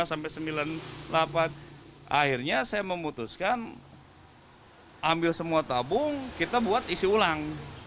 akhirnya saya memutuskan ambil semua tabung kita buat isi ulang